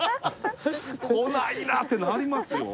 「来ないな」ってなりますよ。